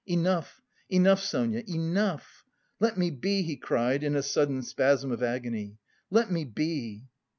Enough, enough, Sonia, enough! Let me be!" he cried in a sudden spasm of agony, "let me be!"